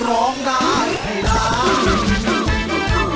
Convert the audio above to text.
ร้องได้ให้ร้าน